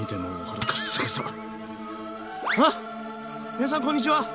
皆さんこんにちは！